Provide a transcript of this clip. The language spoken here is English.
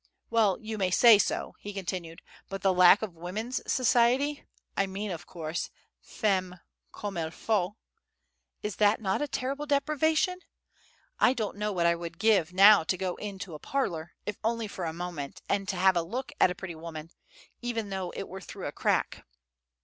"Well, you may say so," he continued; "but the lack of women's society, I mean, of course, FEMMES COMME IL FAUT, is that not a terrible deprivation? I don't know what I would give now to go into a parlor, if only for a moment, and to have a look at a pretty woman, even though it were through a crack."